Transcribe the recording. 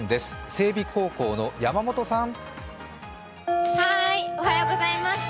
済美高校の山本さん。